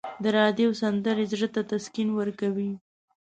د راډیو سندرې زړه ته تسکین ورکوي.